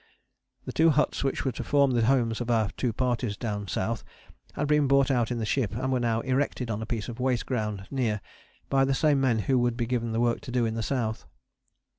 The two huts which were to form the homes of our two parties down South had been brought out in the ship and were now erected on a piece of waste ground near, by the same men who would be given the work to do in the South.